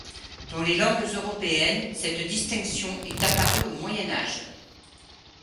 Dans les langues européennes, cette distinction est apparue au Moyen Âge.